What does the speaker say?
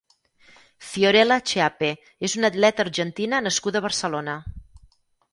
Fiorella Chiappe és una atleta argentina nascuda a Barcelona.